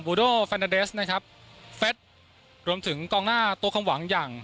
ูโดแฟนนาเดสนะครับเฟสรวมถึงกองหน้าตัวความหวังอย่าง